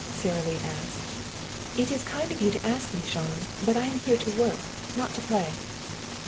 Sara Lee asked. "It is kind of you to ask me, Jean. But I am here to work, not to play."